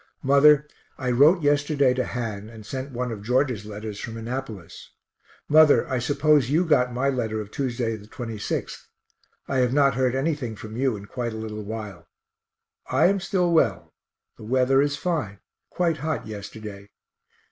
Mother, I wrote yesterday to Han, and sent one of George's letters from Annapolis. Mother, I suppose you got my letter of Tuesday, 26th. I have not heard anything from you in quite a little while. I am still well. The weather is fine; quite hot yesterday.